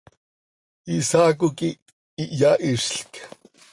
Isaaco quih iyahizlc.